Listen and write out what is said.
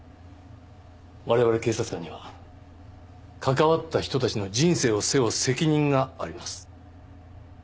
我々警察官には関わった人たちの人生を背負う責任があります。